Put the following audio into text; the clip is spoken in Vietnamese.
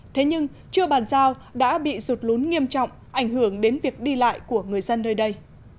thế nhưng chưa bàn giao đã bị sụt lún nghiêm trọng ảnh hưởng đến việc đi lại của người dân nơi đây